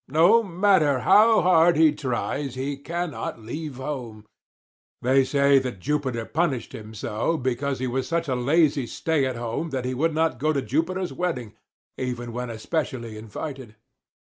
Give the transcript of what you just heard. No matter how hard he tries, he cannot leave home. They say that Jupiter punished him so, because he was such a lazy stay at home that he would not go to Jupiter's wedding, even when especially invited.